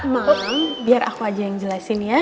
maaf biar aku aja yang jelasin ya